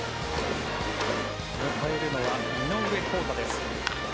迎えるのは井上広大です。